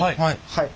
はい。